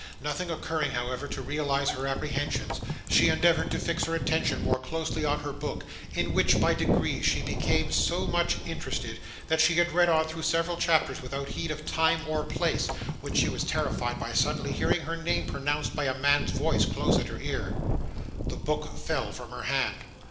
Nothing occurring, however, to realise her apprehensions, she endeavoured to fix her attention more closely on her book, in which by degrees she became so much interested, that she had read on through several chapters without heed of time or place, when she was terrified by suddenly hearing her name pronounced by a man's voice close at her ear. The book fell from her hand.